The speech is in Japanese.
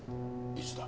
いつだ？